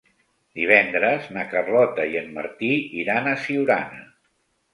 Divendres na Carlota i en Martí iran a Siurana.